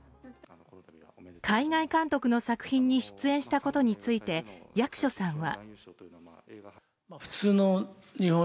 海外監督の作品に出演したことについて役所さんは。